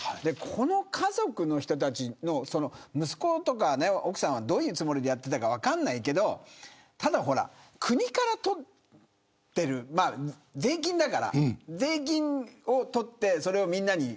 この家族の人たちの息子や奥さんはどういうつもりでやっていたか分からないけど国から取っている税金だから税金を取って、みんなに配る。